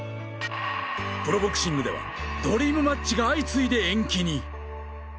プロボクシングではドリームマッチが相次いで延期に。